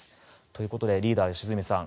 ということでリーダー、良純さん